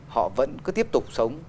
họ vẫn cứ tiếp tục sống